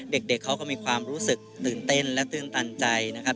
เด็กเขาก็มีความรู้สึกตื่นเต้นและตื่นตันใจนะครับ